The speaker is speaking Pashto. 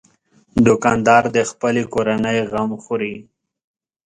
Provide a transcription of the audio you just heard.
دوکاندار د خپلې کورنۍ غم خوري.